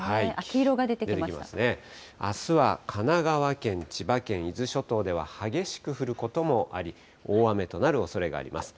あすは神奈川県、千葉県、伊豆諸島では激しく降ることもあり、大雨となるおそれがあります。